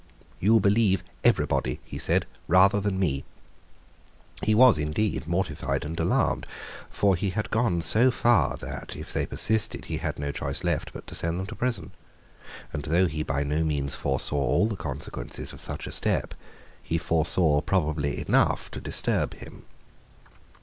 "You believe everybody," he said, "rather than me." He was indeed mortified and alarmed. For he had gone so far that, if they persisted, he had no choice left but to send them to prison; and, though he by no means foresaw all the consequences of such a step, he foresaw probably enough to disturb him.